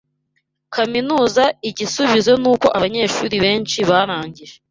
kaminuza Igisubizo nuko abanyeshuri benshi barangije